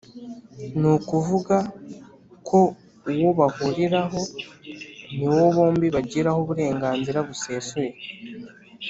nukuvuga ko uwo bahuriraho ni wo bombi bagiraho uburenganzira busesuye.